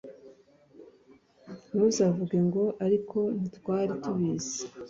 ntuzavuge ngo ariko ntitwari tubizi